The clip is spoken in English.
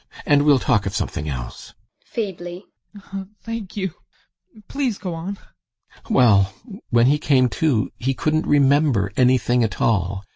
And we'll talk of something else. ADOLPH. [Feebly] Thank you! Please go on! GUSTAV. Well when he came to he couldn't remember anything at all.